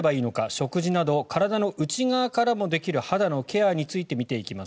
食事など体の内側からもできる肌のケアについて見ていきます。